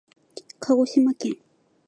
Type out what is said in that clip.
かごしまけん